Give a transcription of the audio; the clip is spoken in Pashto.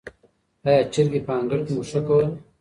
آیا چرګې په انګړ کې مښوکه وهله؟